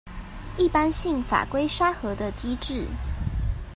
一般性法規沙盒的機制